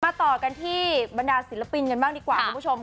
ต่อกันที่บรรดาศิลปินกันบ้างดีกว่าคุณผู้ชม